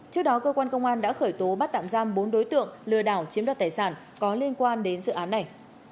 trước đó cơ quan công an đã khởi tố bắt tạm giam bốn đối tượng lừa đảo chiếm đoạt tài sản có liên quan đến dự án này